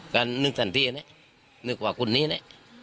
ก็นึกทันทีนะนึกว่าคุณนี้นะ